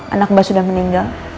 anak mbak sudah meninggal